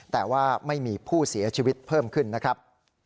แต่ว่าไม่มีผู้เสียชีวิตเพิ่มขึ้นนะครับ